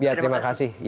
ya terima kasih